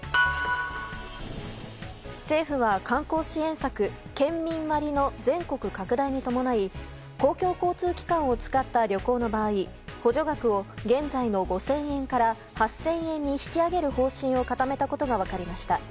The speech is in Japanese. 政府は観光支援策県民割の全国拡大に伴い公共交通機関を使った旅行の場合補助額を現在の５０００円から８０００円に引き上げる方針を固めたことが分かりました。